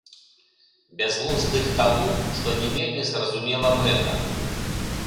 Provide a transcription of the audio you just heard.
Бязглуздых таму, што не вельмі зразумела мэта.